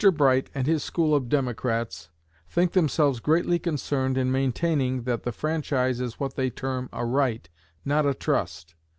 Bright and his school of democrats think themselves greatly concerned in maintaining that the franchise is what they term a right, not a trust.